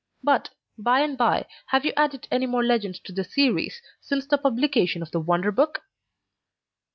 But, by the by, have you added any more legends to the series, since the publication of the 'Wonder Book'?"